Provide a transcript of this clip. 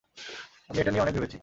আমি এটা নিয়ে অনেক ভেবেছি।